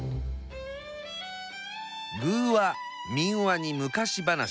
寓話民話に昔話。